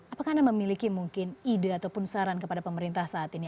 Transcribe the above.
apakah anda memiliki mungkin ide ataupun saran kepada pemerintah saat ini